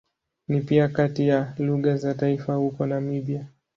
Ni pia kati ya lugha za taifa huko Namibia.